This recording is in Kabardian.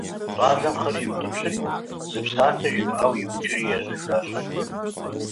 Щӏалэм хъыр иутӏыпщри, зы псалъэ жимыӏэу, ӏукӏри ежьэжащ.